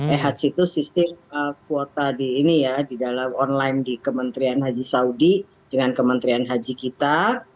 e hajs itu sistem kuota di ini ya di dalam online di kementerian haji saudi dengan kementerian haji kita